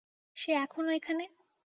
সে এখনো এখানে?